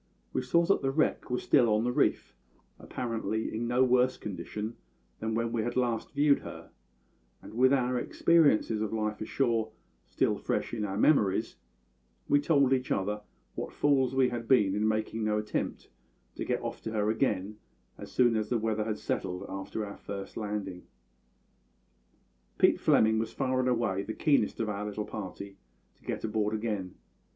We saw that the wreck was still on the reef, apparently in no worse condition than when we had last viewed her; and, with our experiences of life ashore still fresh in our memories, we told each other what fools we had been in making no attempt to get off to her again as soon as the weather had settled after our first landing. "Pete Fleming was far and away the keenest of our little party to get aboard again.